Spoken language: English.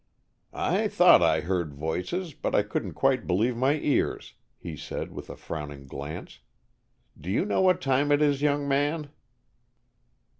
"I thought I heard voices, but I couldn't quite believe my ears," he said, with a frowning glance. "Do you know what time it is, young man?"